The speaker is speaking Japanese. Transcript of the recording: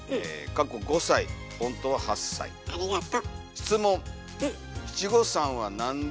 ありがと。